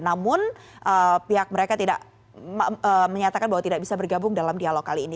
namun pihak mereka tidak menyatakan bahwa tidak bisa bergabung dalam dialog kali ini